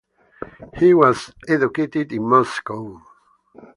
He was educated in Moscow.